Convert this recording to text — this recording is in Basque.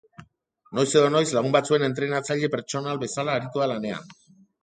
Noiz edo noiz, lagun batzuen entrenatzaile pertsonal bezala aritu da lanean.